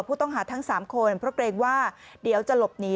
ผู้ต้องหาทั้ง๓คนเพราะเกรงว่าเดี๋ยวจะหลบหนี